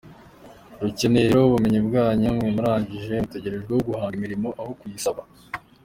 Rukeneye rero ubumenyi bwanyu, mwe murangije mutegerejweho guhanga imirimo aho kuyisaba.